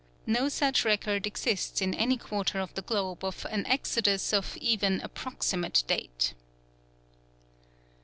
No such record exists in any quarter of the globe of an exodus of even approximate date.